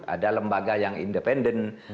ada lembaga yang independen